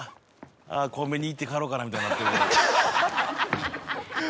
コンビニ行って帰ろうかなみたいになってる。